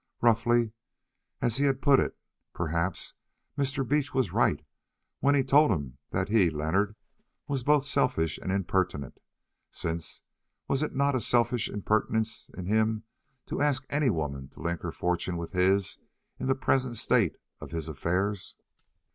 Roughly as he had put it, perhaps Mr. Beach was right when he told him that he, Leonard, was both selfish and impertinent, since was it not a selfish impertinence in him to ask any woman to link her fortune with his in the present state of his affairs?